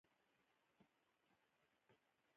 لمسی له ښه نیت سره خبرې کوي.